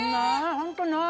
本当ない！